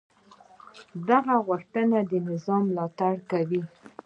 دا غوښتنې د نظم ملاتړ کوي.